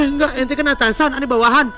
enggak ente kan atasan ane bawahan